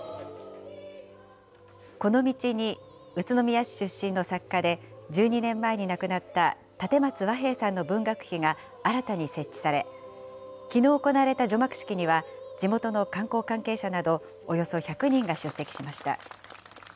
この道に宇都宮市出身の作家で、１２年前に亡くなった立松和平さんの文学碑が新たに設置され、きのう行われた除幕式には、地元の観光関係者などおよそ１００人が出席しました。